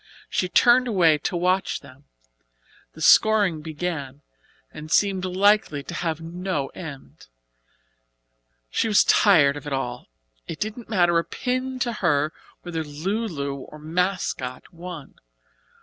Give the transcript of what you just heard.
She turned away to watch them. The scoring began, and seemed likely to have no end. She was tired of it all. It didn't matter a pin to her whether "Lu Lu" or "Mascot" won.